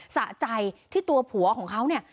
สะใจที่ตัวผัวของเขาเนี่ย